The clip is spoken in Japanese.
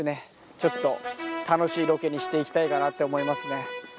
ちょっと楽しいロケにしていきたいかなって思いますね。